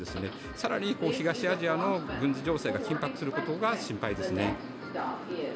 更に東アジアの軍事情勢が緊迫することが心配ですね。